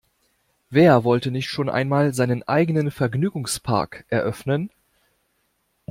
Wer wollte nicht schon einmal seinen eigenen Vergnügungspark eröffnen?